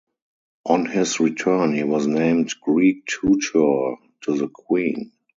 On his return he was named Greek tutor to the Queen.